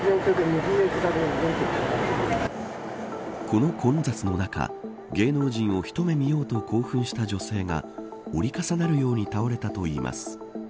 この混雑の中芸能人を一目見ようと興奮した女性が折り重なるように倒れたといいます。